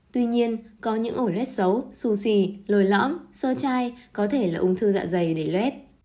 tuy nhiên có những ổ lết xấu xù xì lồi lõm sơ chai có thể là ung thư dạ dày để lét